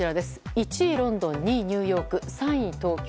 １位、ロンドン２位、ニューヨーク３位、東京。